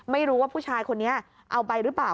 ไม่รู้ว่าผู้ชายคนนี้เอาไปหรือเปล่า